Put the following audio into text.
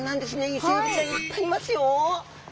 イセエビちゃんいっぱいいますよ！